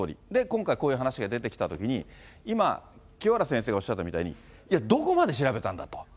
今回、こういう話が出てきたときに、今、清原先生がおっしゃったみたいに、いや、どこまで調べたんだと。